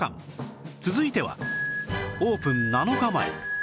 続いてはオープン７日前